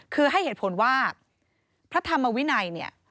คือให้เหตุผลว่าพระธรรมวินัยเนี่ย